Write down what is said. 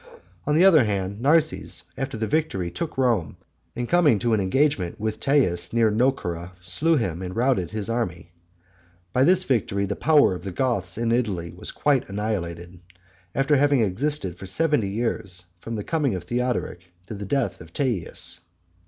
On the other hand, Narses after the victory took Rome, and coming to an engagement with Teias near Nocera, slew him and routed his army. By this victory, the power of the Goths in Italy was quite annihilated, after having existed for seventy years, from the coming of Theodoric to the death of Teias.